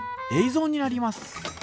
ぞうになります。